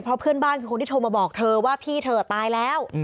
เพราะเพื่อนบ้านคือคนที่โทรมาบอกเธอว่าพี่เธอตายแล้ว